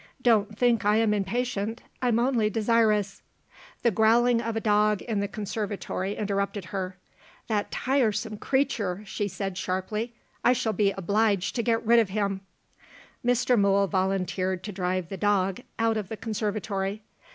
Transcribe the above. Don't think I am impatient; I am only desirous " The growling of a dog in the conservatory interrupted her. "That tiresome creature!" she said sharply; "I shall be obliged to get rid of him!" Mr. Mool volunteered to drive the dog out of the conservatory.